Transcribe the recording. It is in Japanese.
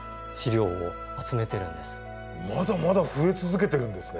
まだまだ増え続けてるんですね。